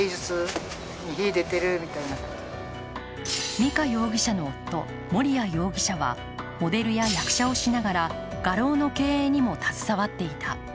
美香容疑者の夫、盛哉容疑者はモデルや役者をしながら画廊の経営にも携わっていた。